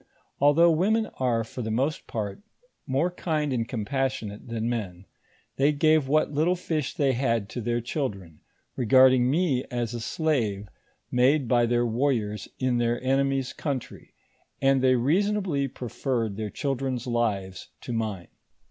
Although women are, for the moat part, more kind and compassionate than men, they gave what little fish they had to their chil dren, regarding me as a slave made by their warriors in their enemies' country, and they reasonably preferred their chil dren's lives to mine.